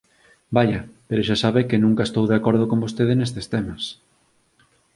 Vaia, pero xa sabe que nunca estou de acordo con vostede nestes temas.